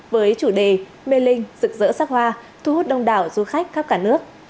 với chủ đề mê linh rực rỡ sắc hoa thu hút đông đảo du khách khắp cả nước